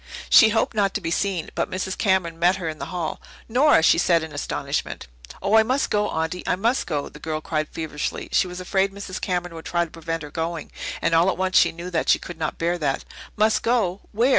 She hoped not to be seen, but Mrs. Cameron met her in the hall. "Nora!" she said in astonishment. "Oh, I must go, Aunty! I must go!" the girl cried feverishly. She was afraid Mrs. Cameron would try to prevent her going, and all at once she knew that she could not bear that. "Must go? Where?